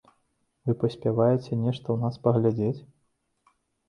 Вы паспяваеце нешта ў нас паглядзець?